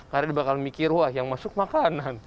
karena dia bakal mikir wah yang masuk makanan